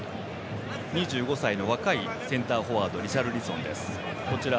２５歳の若いセンターフォワードリシャルリソンです。